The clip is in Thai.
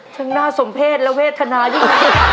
ทั้งหน้าสมเพศและเวทธนายา